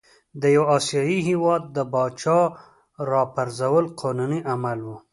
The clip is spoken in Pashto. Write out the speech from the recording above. د یوه آسیايي هیواد پاچا را پرزول قانوني عمل وو.